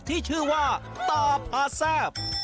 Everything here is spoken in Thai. ที่ชื่อว่าตาพาแซ่บ